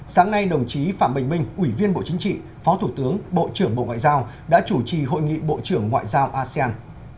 sáng nay đồng chí phạm bình minh ủy viên bộ chính trị phó thủ tướng bộ trưởng bộ ngoại giao đã chủ trì hội nghị bộ trưởng ngoại giao asean